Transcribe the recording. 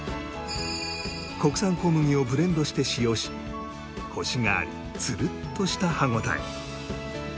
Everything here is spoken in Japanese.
国産小麦をブレンドして使用しコシがありツルッとした歯応え。